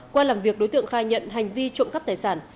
qua làm việc đối tượng khai nhận hành vi trộm cắp tài sản